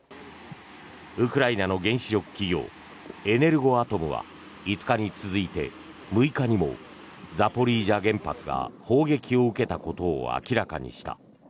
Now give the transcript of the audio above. ウクライナの原子力企業エネルゴアトムは５日に続いて６日にもザポリージャ原発が砲撃を受けたことを明らかにした。